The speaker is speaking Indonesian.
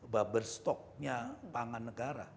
babber stock nya pangan negara